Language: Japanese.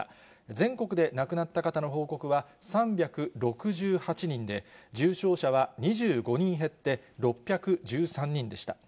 全国で亡くなった方の報告は３６８人で、重症者は２５人減って、６１３人でした。